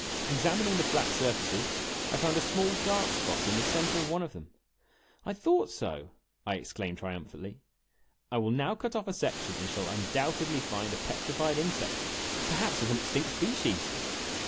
Examining the flat surfaces, I found a small dark spot in the center of one of them. "I thought so!" I exclaimed triumphantly; "I will now cut off a section and shall undoubtedly find a petrified insect perhaps of an extinct species